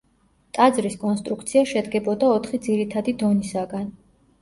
ტაძრის კონსტრუქცია შედგებოდა ოთხი ძირითადი დონისაგან.